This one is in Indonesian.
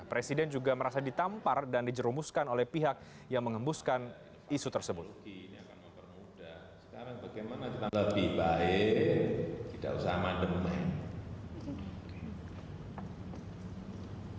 presiden juga merasa ditampar dan dijerumuskan oleh pihak yang mengembuskan isu tersebut